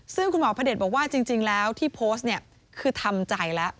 ซึ่งคุณหมอพระเด็จบอกว่าจริงแล้วที่โพสต์เนี่ยคือทำใจแล้ว